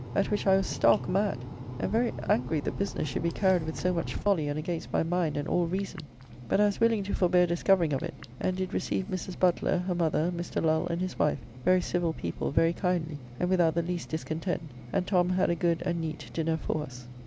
At which I was stark mad, and very angry the business should be carried with so much folly and against my mind and all reason. But I was willing to forbear discovering of it, and did receive Mrs. Butler, her mother, Mr. Lull and his wife, very civil people, very kindly, and without the least discontent, and Tom had a good and neat dinner for us.